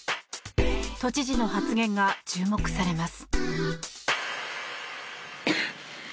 都知事の発言が注目されます。